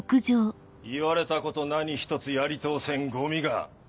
言われたこと何一つやり通せんゴミが。